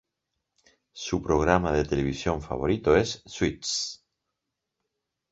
Su programa de televisión favorito es "Suits".